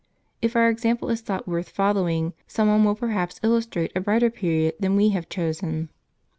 If our example is thought worth following, some one will perhaps illustrate a brighter period than we have chosen.